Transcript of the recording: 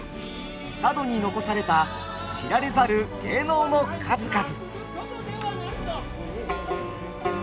佐渡に残された知られざる芸能の数々！